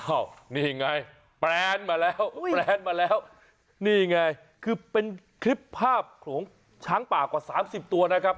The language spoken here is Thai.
นี่ไงแปรนมาแล้วแปรนมาแล้วนี่ไงคือเป็นคลิปภาพของช้างป่ากว่าสามสิบตัวนะครับ